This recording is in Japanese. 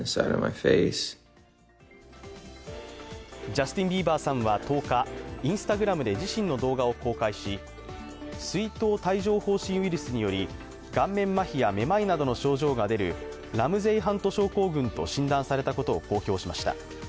ジャスティン・ビーバーさんは１０日、Ｉｎｓｔａｇｒａｍで自身の動画を公開し、水痘帯状ほう疹ウイルスにより顔面まひやめまいなどの症状が出るラムゼイ・ハント症候群と診断されたことを公表しました。